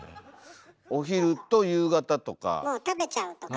お昼と夕方とか。